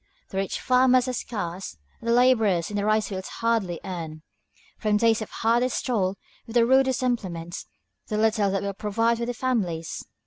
The rich farmers are scarce, and the laborers in the rice fields hardly earn, from days of hardest toil with the rudest implements, the little that will provide for their families.